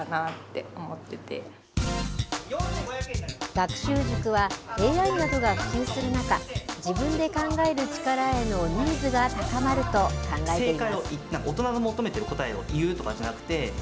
学習塾は、ＡＩなどが普及する中、自分で考える力へのニーズが高まると考えています。